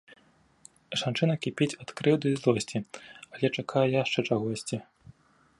Жанчына кіпіць ад крыўды і злосці, але чакае яшчэ чагосьці.